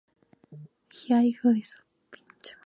El escudo de armas es de los tiempos recientes.